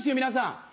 皆さん。